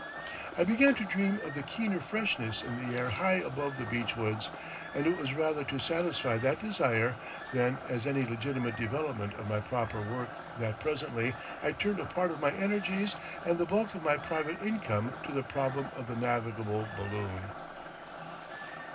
I began to dream of the keener freshness in the air high above the beechwoods, and it was rather to satisfy that desire than as any legitimate development of my proper work that presently I turned a part of my energies and the bulk of my private income to the problem of the navigable balloon.